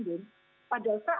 turun ke lapangan hanya orang